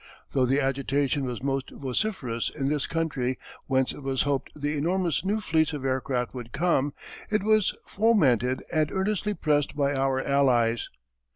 Though the agitation was most vociferous in this country whence it was hoped the enormous new fleets of aircraft would come, it was fomented and earnestly pressed by our Allies.